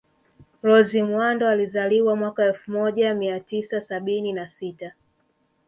Rose Muhando alizaliwa mwaka elfu moja mia tisa sabini na sita